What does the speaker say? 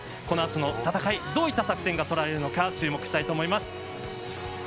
このあとの戦いどういった作戦がとられるか注目したいと思います。